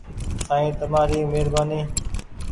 سائين تمآري مهربآني ۔